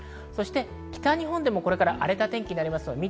北日本でもこれから荒れた天気になります。